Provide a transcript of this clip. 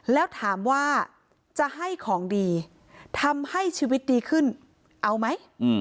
แล้วถามว่าจะให้ของดีทำให้ชีวิตดีขึ้นเอาไหม